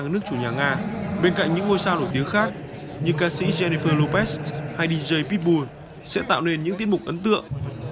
nước chủ nhà nga bên cạnh những ngôi sao nổi tiếng khác như ca sĩ jennifer lopez hay dj pitbull sẽ tạo nên những tiết mục ấn tượng